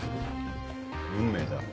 運命だ。